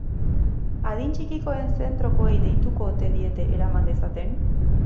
Adin txikikoen zentrokoei deituko ote diete eraman dezaten?